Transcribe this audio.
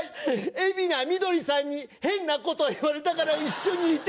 海老名美どりさんに変なこと言われたから一緒にいて！」